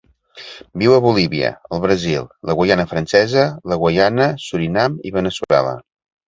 Viu a Bolívia, el Brasil, la Guaiana Francesa, la Guaiana, Surinam i Veneçuela.